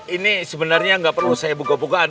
ini sebenarnya nggak perlu saya buka bukaan